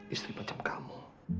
istri macam kamu